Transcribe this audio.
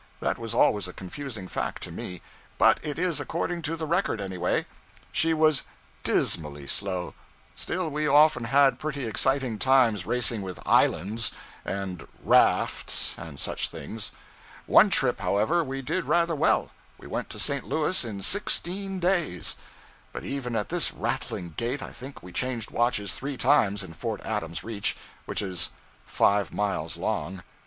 That was always a confusing fact to me, but it is according to the record, any way. She was dismally slow; still, we often had pretty exciting times racing with islands, and rafts, and such things. One trip, however, we did rather well. We went to St. Louis in sixteen days. But even at this rattling gait I think we changed watches three times in Fort Adams reach, which is five miles long.